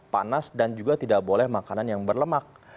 panas dan juga tidak boleh makanan yang berlemak